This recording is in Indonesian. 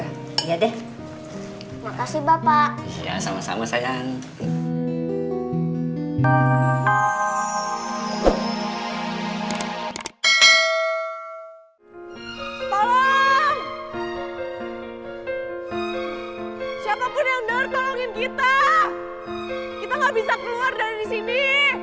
kita gak bisa keluar dari sini